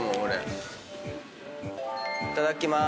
いただきまーす。